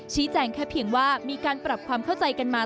แจ้งแค่เพียงว่ามีการปรับความเข้าใจกันมา